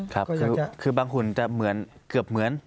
ครับคือบางหุ่นจะเหมือนเกือบเหมือน